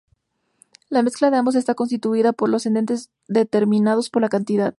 La mezcla de ambos está constituida por los entes determinados por la cantidad.